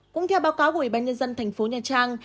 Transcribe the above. cũng theo báo cáo của ủy ban nhân dân thành phố nha trang